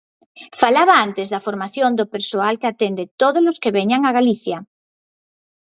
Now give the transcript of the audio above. Falaba antes da formación do persoal que atende todos os que veñan a Galicia.